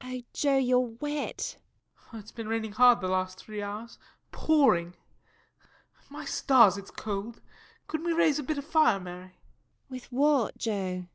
_] Oh, Joe, you're wet! JOE. It's been raining hard the last three hours pouring. My stars, it's cold. Couldn't we raise a bit of fire, Mary? MARY. With what, Joe?